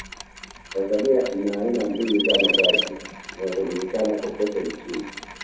Tanzania ina aina mbili za mavazi zinazojulikana kokote nchini